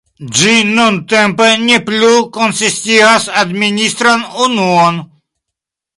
Ĝi nuntempe ne plu konsistigas administran unuon.